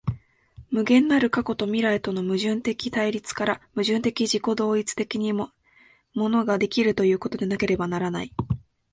無限なる過去と未来との矛盾的対立から、矛盾的自己同一的に物が出来るということでなければならない。